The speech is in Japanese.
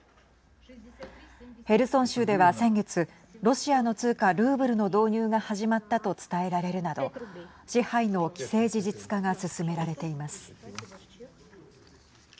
ヘルソン州では、先月ロシアの通貨ルーブルの導入が始まったと伝えられるなど支配の既成事実化が進められています。